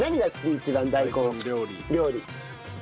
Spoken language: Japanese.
一番大根料理。